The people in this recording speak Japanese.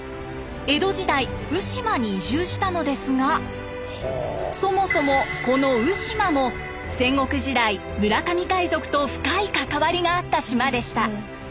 江戸時代鵜島に移住したのですがそもそもこの鵜島も戦国時代村上海賊と深い関わりがあった島でした。